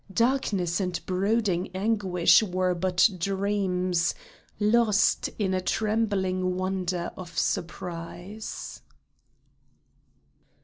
Darkness and brooding anguish were but dreams, Lost in a trembling wonder of surprise